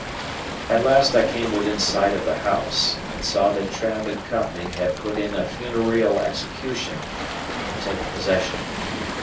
At last I came within sight of the house, and saw that Trabb and Co. had put in a funereal execution and taken possession.